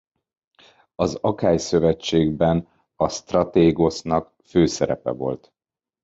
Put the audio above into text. Az Akháj Szövetségben a sztratégosznak főszerepe volt.